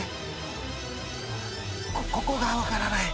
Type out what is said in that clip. ここが分からない。